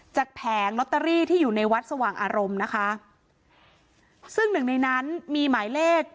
แผงลอตเตอรี่ที่อยู่ในวัดสว่างอารมณ์นะคะซึ่งหนึ่งในนั้นมีหมายเลข